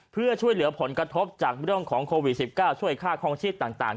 เพื่อช่วยเหลือผลกระทบจากเรื่องของโควิด๑๙ช่วยค่าคลองชีพต่าง